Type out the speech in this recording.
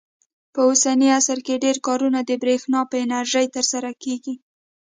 په اوسني عصر کې ډېر کارونه د برېښنا په انرژۍ ترسره کېږي.